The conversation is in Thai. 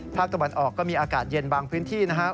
ภาคตะวันออกก็มีอากาศเย็นบางพื้นที่นะครับ